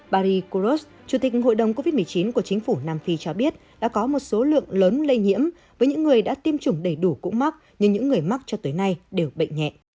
paris koros chủ tịch hội đồng covid một mươi chín của chính phủ nam phi cho biết đã có một số lượng lớn lây nhiễm với những người đã tiêm chủng đầy đủ cũng mắc nhưng những người mắc cho tới nay đều bệnh nhẹ